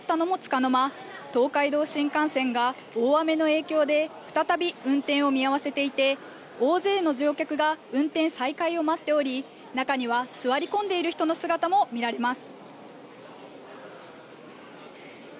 今朝から通常運転に戻ったのもつかの間、東海道新幹線が大雨の影響で再び運転を見合わせていて、大勢の乗客が運転再開を待っており、中には座り込んでいる人の姿も見られます。